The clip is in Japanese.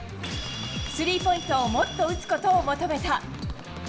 スリーポイントをもっと打つことを求めた。